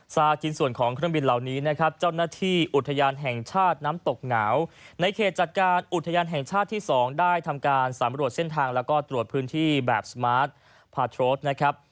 ชิ้นส่วนของเครื่องบินเหล่านี้นะครับเจ้าหน้าที่อุทยานแห่งชาติน้ำตกเหงาในเขตจัดการอุทยานแห่งชาติที่๒ได้ทำการสำรวจเส้นทางแล้วก็ตรวจพื้นที่แบบสมาร์ทพาโทรนะครับ